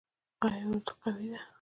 آیا اردو قوي ده؟